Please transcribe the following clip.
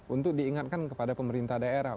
untuk diingatkan kepada pemerintah daerah